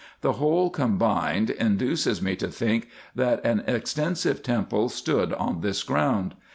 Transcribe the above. The whole combined induces me to think, that an extensive temple stood on this ground.